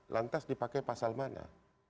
lantas dipakai pasal mana